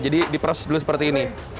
jadi diperes dulu seperti ini